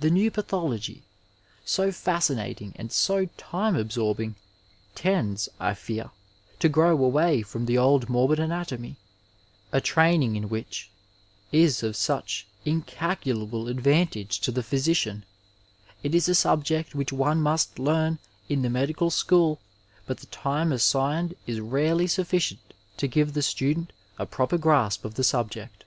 The new pathology, so fascinating and so time absorbing, tends, I fear, to grow away from the old morbid anatomy, a training in which is of such incalculable advantage to the physician: It is a subject which one must learn in the medical school, but the time assigned is rarely sufficient to give the student a proper grasp of the subject.